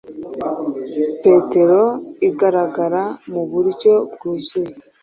Petero igaragara mu buryo bwuzuye.